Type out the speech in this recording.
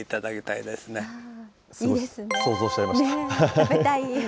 食べたい。